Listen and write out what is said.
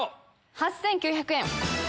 ８９００円。